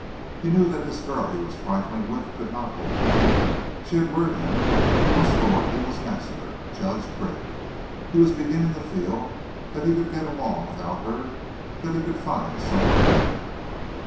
He knew that this girl he was trifling with could not hold him. She had lured him, but once lured he was master, judge, critic. He was beginning to feel that he could get along without her, that he could find someone better.